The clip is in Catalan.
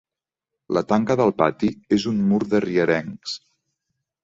La tanca del pati és un mur de rierencs.